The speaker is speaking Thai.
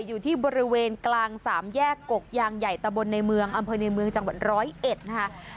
อยู่ที่บริเวณกลางสามแยกกกยางใหญ่ตะบนในเมืองอำเภอในเมืองจังหวัดร้อยเอ็ดนะคะ